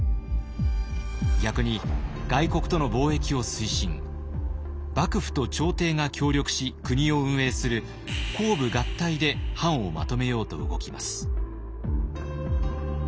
逆に外国との貿易を推進幕府と朝廷が協力し国を運営する公武合体で藩をまとめようと動きます。